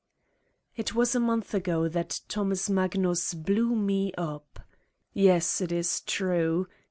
It was a month ago that Thomas Magnus blew me up. Yes, it is true.